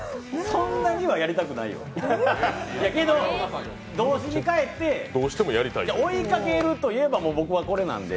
そんなにはやりたくないよけど、童心に返って追いかけるといえば僕はこれなんで。